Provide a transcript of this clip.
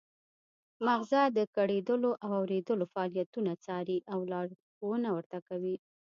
مغزه د ګړیدلو او اوریدلو فعالیتونه څاري او لارښوونه ورته کوي